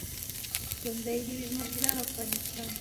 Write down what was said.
ژوندی دې وي زموږ ګران افغانستان.